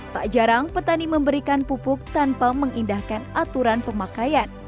tak jarang petani memberikan pupuk tanpa mengindahkan aturan pemakaian